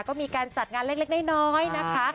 ก็มีการจัดงานเล็กน้อยนะคะ